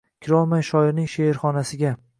kirolmay shoirning she’rxonasiga.